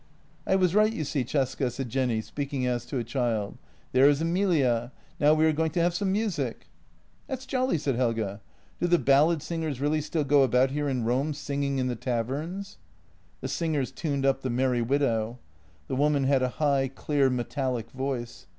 " I was right, you see, Cesca," said Jenny, speaking as to a child. "There is Emilia; now we are going to have some music." " That's jolly," said Helge. " Do the ballad singers really still go about here in Rome singing in the taverns? " The singers tuned up " The Merry Widow." The woman had a high, clear, metallic voice.